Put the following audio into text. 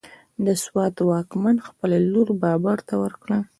د سوات واکمن خپله لور بابر ته ورکړه،